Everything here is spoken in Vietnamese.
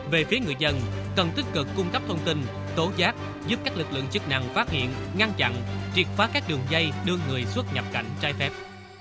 về phía người dân cần tích cực cung cấp thông tin tố giác giúp các lực lượng chức năng phát hiện ngăn chặn triệt phá các đường dây đưa người xuất nhập cảnh trái phép